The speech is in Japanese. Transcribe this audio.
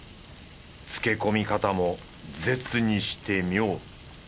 漬け込み方も絶にして妙。